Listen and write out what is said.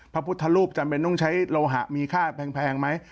พระพุทธรูปจำเป็นต้องใช้โลหะมีค่าแพงไหม